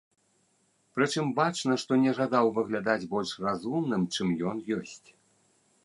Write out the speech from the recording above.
Прычым, бачна, што не жадаў выглядаць больш разумным, чым ён ёсць.